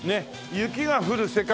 雪が降る世界。